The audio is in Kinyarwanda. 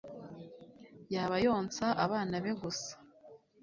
Yaba yonsa abana be gusa